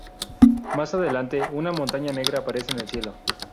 Más adelante, una montaña negra aparece en el cielo.